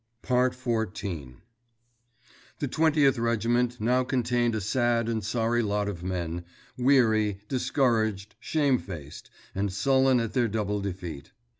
XIV The Twentieth Regiment now contained a sad and sorry lot of men, weary, discouraged, shamefaced, and sullen at their double defeat.